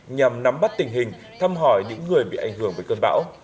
nhằm nắm bắt tình hình thăm hỏi những người bị ảnh hưởng bởi cơn bão